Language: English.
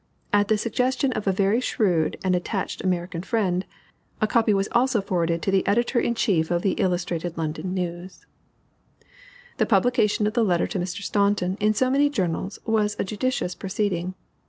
At the suggestion of a very shrewd and attached American friend, a copy was also forwarded to the editor in chief of the Illustrated London News. The publication of the letter to Mr. Staunton, in so many journals, was a judicious proceeding.